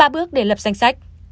ba bước để lập danh sách